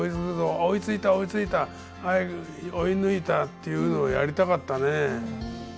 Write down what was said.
追いついた追いついた追い抜いた」っていうのをやりたかったね。